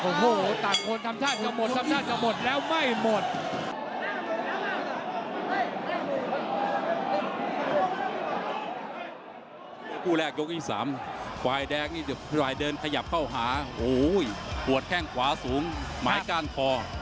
โอ้โหตลาดโคลดทำชาติจะหมดทำชาติจะหมด